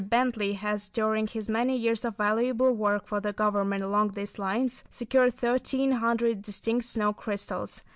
Bentley has during his many years of valuable work for the Government along these lines, secured thirteen hundred distinct snow crystals.